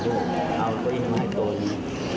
เดี๋ยวเอาไปให้ให้ตัวนี้